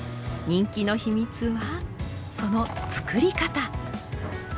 人気の秘密はその作り方。